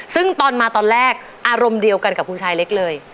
ซึ่งตอนมาตอนแรกอารมณ์เดียวกันกับคุณชายเล็กเลย